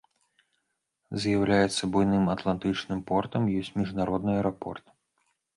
З'яўляецца буйным атлантычным портам, ёсць міжнародны аэрапорт.